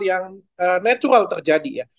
yang natural terjadi ya